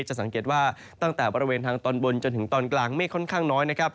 จะสังเกตว่าตั้งแต่บริเวณทางตอนบนจนถึงตอนกลางเมฆค่อนข้างน้อยนะครับ